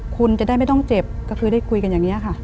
คุณจะได้ไม่ต้องเจ็บก็คือได้คุยกันอย่างนี้ค่ะ